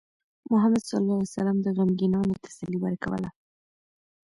محمد صلى الله عليه وسلم د غمگینانو تسلي ورکوله.